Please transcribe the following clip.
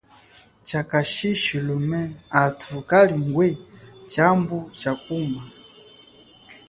Chakashishi lume, athu kalingwe tshambu cha kuma.